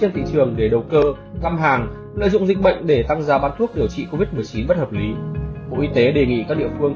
năm hàng lợi dụng dịch bệnh để tăng giá bán thuốc điều trị covid một mươi chín bất hợp lý bộ y tế đề nghị các địa phương